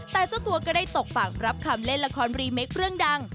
แต่เจ้าตัวก็ได้ตกปากรับคำเล่นละครรีเมคเรื่องดัง